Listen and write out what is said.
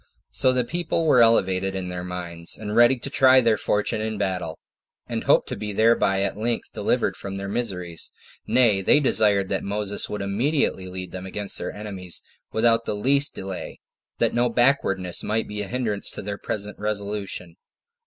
So the people were elevated in their minds, and ready to try their fortune in battle, and hoped to be thereby at length delivered from all their miseries: nay, they desired that Moses would immediately lead them against their enemies without the least delay, that no backwardness might be a hindrance to their present resolution.